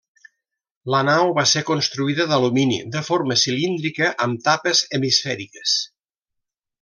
La nau va ser construïda d'alumini, de forma cilíndrica amb tapes hemisfèriques.